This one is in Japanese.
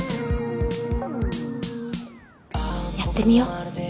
やってみよう。